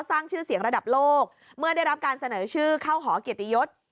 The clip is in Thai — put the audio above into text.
สร้างชื่อเสียงระดับโลกเมื่อได้รับการเสนอชื่อเข้าหอเกียรติยศ